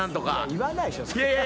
言わないでしょ。